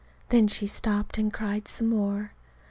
Then she stopped and cried some more.